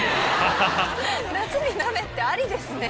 夏に鍋ってありですね。